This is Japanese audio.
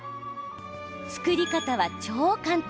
作り方は超簡単。